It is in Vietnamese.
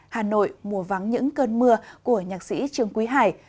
hà nội mùa vắng những cơn mưa của nhạc sĩ trương quý hải